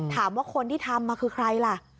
ถามว่าคนที่ทำมาคือใครล่ะ